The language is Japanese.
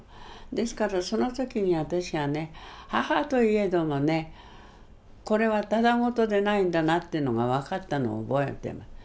ですからその時に私はね母といえどもねこれはただごとでないんだなというのが分かったのを覚えてます。